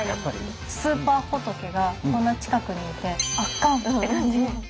スーパー仏がこんな近くにいて圧巻！って感じ。